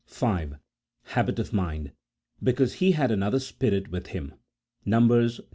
Habit of mind :" Because he had another spirit with Mm," Numbers xiv.